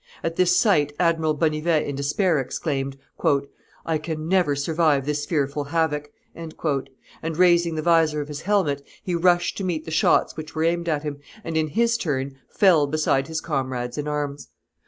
At this sight Admiral Bonnivet in despair exclaimed, "I can never survive this fearful havoc;" and raising the visor of his helmet, he rushed to meet the shots which were aimed at him, and in his turn fell beside his comrades in arms.